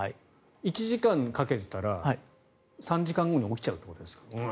１時間かけていたら３時間後に起きちゃうということですか？